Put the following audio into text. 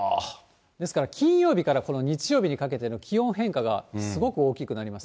ですから金曜日から、この日曜日にかけての気温変化がすごく大きくなります。